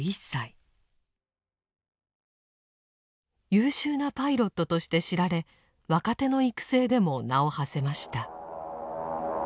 優秀なパイロットとして知られ若手の育成でも名をはせました。